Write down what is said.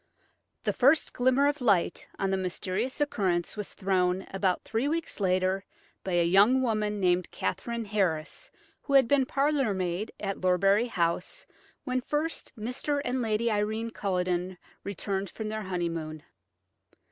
The first glimmer of light on the mysterious occurrence was thrown, about three weeks later, by a young woman named Katherine Harris, who had been parlour maid at Lorbury House when first Mr. and Lady Irene Culledon returned from their honeymoon.